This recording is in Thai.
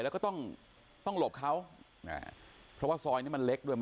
แล้วก็ต้องต้องหลบเขาเพราะว่าซอยนี้มันเล็กด้วย